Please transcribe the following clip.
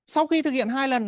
sau khi thực hiện hai lần